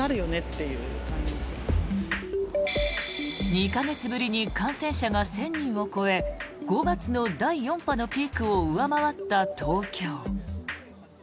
２か月ぶりに感染者が１０００人を超え５月の第４波のピークを上回った東京。